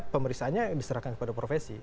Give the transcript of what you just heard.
pemeriksaannya diserahkan kepada profesi